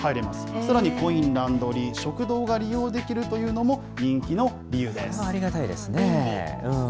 さらにコインランドリー、食堂が利用できるとい本当ありがたいですね。